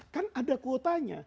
kan ada kuotanya